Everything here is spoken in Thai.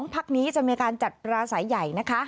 พักนี้จะมีการจัดปราศัยใหญ่นะคะ